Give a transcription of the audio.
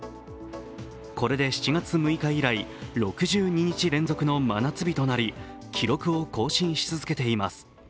これで７月６日以来、６２日連続の真夏日となり、記録を更新し続けています。